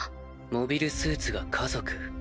モビルスーツが家族？